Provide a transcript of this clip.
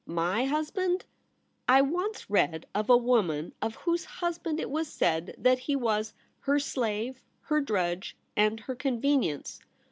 * My husband ! I once read of a woman of whose husband it was said that he was " her slave, her drudge, and her convenience."